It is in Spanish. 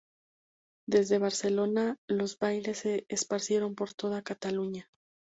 Desde Barcelona, los bailes se esparcieron por toda Cataluña.